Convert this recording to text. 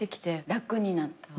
楽になった？